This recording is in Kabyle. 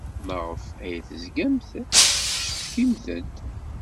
Maɣef ay tezgamt tettcetkimt-d?